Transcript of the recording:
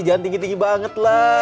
jangan tinggi tinggi banget lah